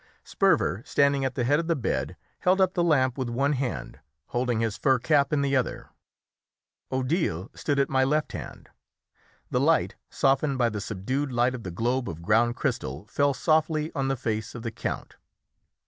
Sperver, standing at the head of the bed, held up the lamp with one hand, holding his far cap in the other. Odile stood at my left hand. The light, softened by the subdued light of the globe of ground crystal, fell softly on the face of the count.